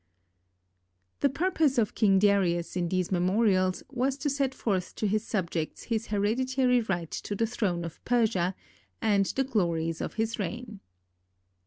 The purpose of King Darius in these memorials was to set forth to his subjects his hereditary right to the throne of Persia, and the glories of his reign.